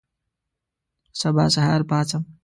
سبا سهار پاڅم